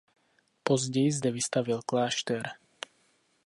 Později zde vystavěl klášter.